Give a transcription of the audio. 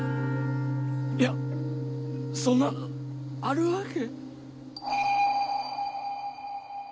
いやそんなあるわけ。